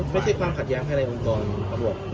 ไม่ได้ความขัดอย้างให้อนกรตำรวจ